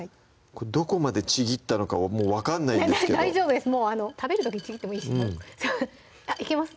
これどこまでちぎったのかもう分かんないですけど大丈夫ですもう食べる時ちぎってもいいしあっいけます？